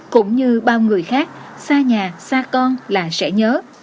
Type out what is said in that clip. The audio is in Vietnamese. cũng như bao người khác xa nhà xa con là sẽ nhớ